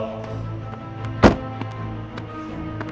lo mau kemana